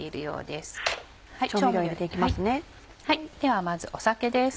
ではまず酒です。